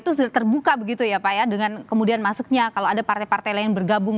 itu sudah terbuka begitu ya pak ya dengan kemudian masuknya kalau ada partai partai lain bergabung